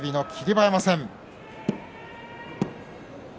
馬山戦。